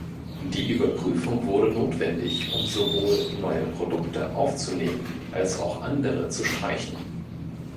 Die Überprüfung wurde notwendig, um sowohl neue Produkte aufzunehmen als auch andere zu streichen.